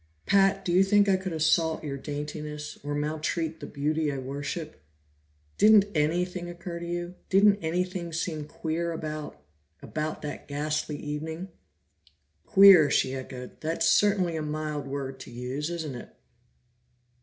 "Pat, do you think I could assault your daintiness, or maltreat the beauty I worship? Didn't anything occur to you? Didn't anything seem queer about about that ghastly evening?" "Queer!" she echoed. "That's certainly a mild word to use, isn't it?"